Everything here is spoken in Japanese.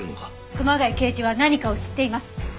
熊谷刑事は何かを知っています。